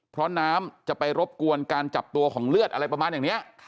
เพราะน้ำจะไปรบกวนการจับตัวของเลือดอะไรประมาณอย่างนี้